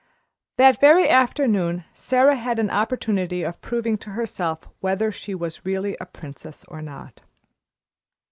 That very afternoon Sara had an opportunity of proving to herself whether she was really a princess or not.